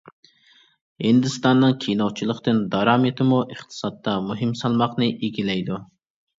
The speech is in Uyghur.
ھىندىستاننىڭ كىنوچىلىقتىن دارامىتىمۇ ئىقتىسادتا مۇھىم سالماقنى ئىگىلەيدۇ.